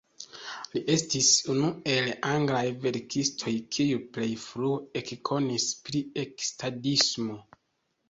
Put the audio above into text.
Li estis unu el anglaj verkistoj kiuj plej frue ekkonis pri ekzistadismo.